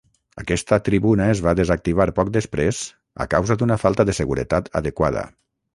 Aquesta tribuna es va desactivar poc desprès a causa d'una falta de seguretat adequada.